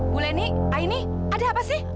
bu leni aini ada apa sih